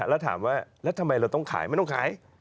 แล้วถามว่าแล้วทำไมเราต้องขายไม่ต้องขาย